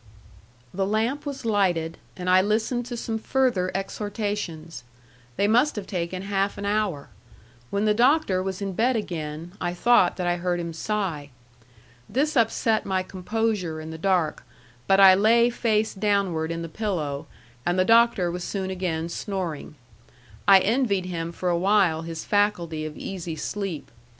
The lamp was lighted, and I listened to some further exhortations. They must have taken half an hour. When the Doctor was in bed again, I thought that I heard him sigh. This upset my composure in the dark; but I lay face downward in the pillow, and the Doctor was soon again snoring. I envied him for a while his faculty of easy sleep.